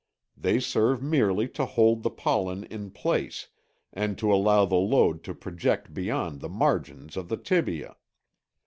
They serve merely to hold the pollen in place and to allow the load to project beyond the margins of the tibia.